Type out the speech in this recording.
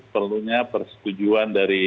perlunya persetujuan dari